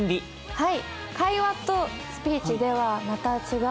はい。